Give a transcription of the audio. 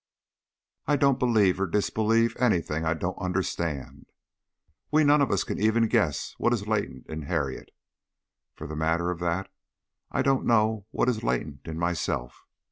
"I don't believe or disbelieve anything I don't understand. We none of us can even guess what is latent in Harriet for the matter of that I don't know what is latent in myself.